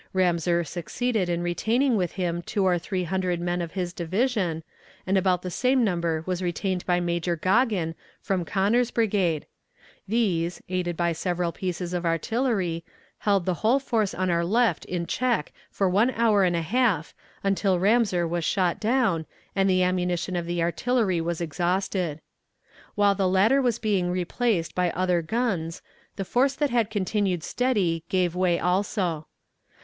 Ramseur succeeded in retaining with him two or three hundred men of his division, and about the same number was retained by Major Goggin from Conner's brigade; these, aided by several pieces of artillery, held the whole force on our left in check for one hour and a half until Ramseur was shot down, and the ammunition of the artillery was exhausted. While the latter was being replaced by other guns, the force that had continued steady gave way also.